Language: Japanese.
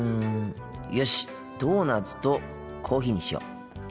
よしっドーナツとコーヒーにしよう。